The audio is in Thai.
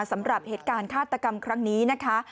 สำหรับเหตุการณ์ฆาตกรรมครั้งนี้นะคะ